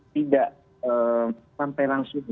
tidak sampai langsung